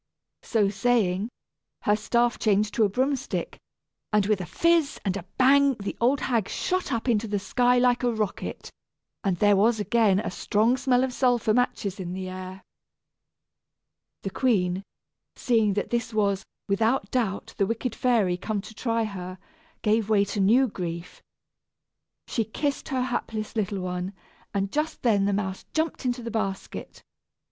So saying, her staff changed to a broom stick, and with a fizz and a bang the old hag shot up into the sky like a rocket. And there was again a strong smell of sulphur matches in the air! The queen, seeing that this was, without doubt, the wicked fairy come to try her, gave way to new grief. She kissed her hapless little one, and just then the mouse jumped into the basket.